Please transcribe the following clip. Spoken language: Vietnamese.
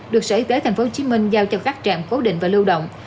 được sở y tế tp hcm giao cho các trạm cố định và lưu động